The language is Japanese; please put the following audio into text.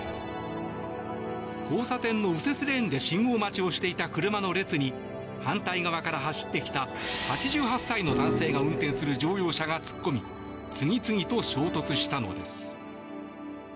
交差点の右折レーンで信号待ちをしていた車の列に反対側から走ってきた８８歳の男性が運転する乗用車が突っ込み次々と衝突したのです。